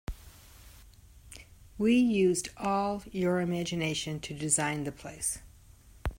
We used all your imgination to design the place.